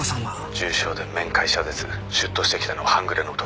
「重傷で面会謝絶」「出頭してきたのは半グレの男。